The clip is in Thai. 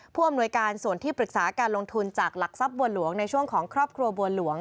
ผู้อำนวยการส่วนที่ปรึกษาการลงทุนจากหลักทรัพย์บัวหลวงในช่วงของครอบครัวบัวหลวง